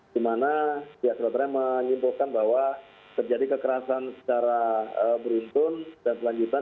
di mana pihak kedokteran menyimpulkan bahwa terjadi kekerasan secara beruntun dan selanjutan